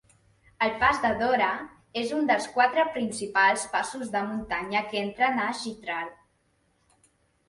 El pas de Dorah és un dels quatre principals passos de muntanya que entren a Chitral.